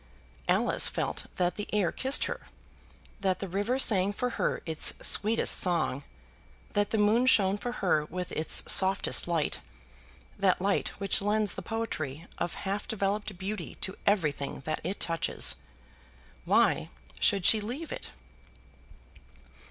Alice felt that the air kissed her, that the river sang for her its sweetest song, that the moon shone for her with its softest light, that light which lends the poetry of half developed beauty to everything that it touches. Why should she leave it?